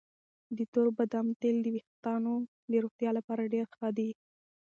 د تور بادامو تېل د ویښتانو د روغتیا لپاره ډېر ښه دي.